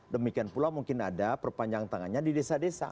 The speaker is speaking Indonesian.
demikian pula mungkin ada perpanjang tangannya di desa desa